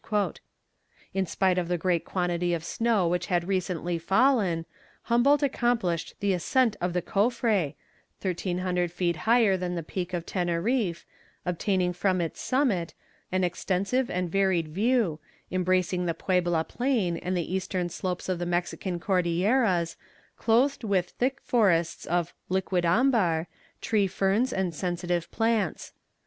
In spite of the great quantity of snow which had recently fallen, Humboldt accomplished the ascent of the Cofre, 1300 feet higher than the peak of Teneriffe, obtaining from its summit, an extensive and varied view, embracing the Puebla plain and the eastern slopes of the Mexican Cordilleras, clothed with thick forests of "liquidambar," tree ferns and sensitive plants.